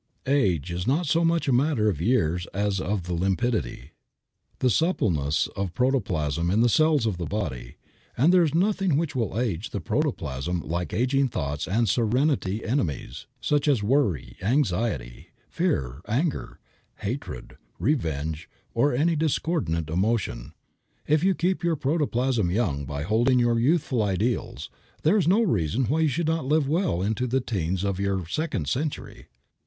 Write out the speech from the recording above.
Age is not so much a matter of years as of the limpidity, the suppleness of the protoplasm of the cells of the body, and there is nothing which will age the protoplasm like aging thoughts and serenity enemies, such as worry, anxiety, fear, anger, hatred, revenge, or any discordant emotion. If you keep your protoplasm young by holding youthful ideals, there is no reason why you should not live well into the teens of your second century.